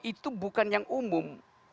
itu bukan yang umum